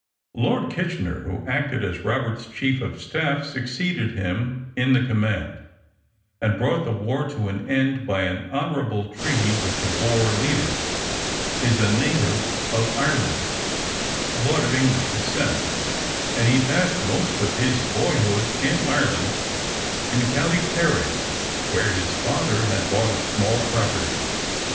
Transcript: Lord Kitchener, who acted as Roberts's chief of staff, succeeded him in the command, and brought the war to an end by an honorable treaty with the Boer leaders, is a native of Ireland, but of English descent, and he passed most of his boyhood in Ireland, in Co. Kerry, where his father had bought a small property.